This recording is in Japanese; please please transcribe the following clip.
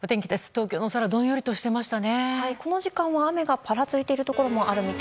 東京の空、どんよりしていました。